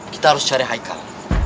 kita harus cari haikal